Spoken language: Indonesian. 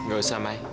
gak usah mai